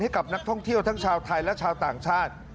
ให้กับนักท่องเที่ยวทั้งชาวไทยและชาวต่างชาติ